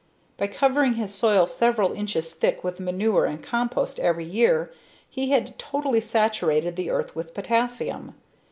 By covering his soil several inches thick with manure and compost every year he had totally saturated the earth with potassium.